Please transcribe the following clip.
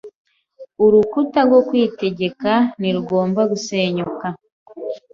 Urukuta rwo kwitegeka ntirugomba gusenyuka